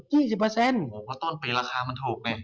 โอ้โหเพราะต้นปีราคามันถูกเนี่ย